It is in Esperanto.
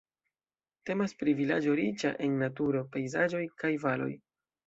Temas pri vilaĝo riĉa en naturo, pejzaĝoj kaj valoj.